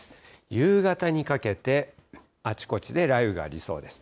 夕方にかけて、あちこちで雷雨がありそうです。